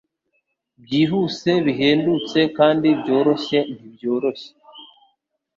Byihuse bihendutse kandi byoroshye ntibyoroshye -